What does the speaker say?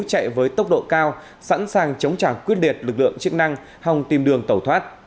chạy với tốc độ cao sẵn sàng chống trả quyết liệt lực lượng chức năng hòng tìm đường tẩu thoát